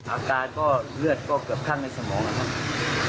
อาการก็เลือดก็เกือบข้างในสมองนะครับ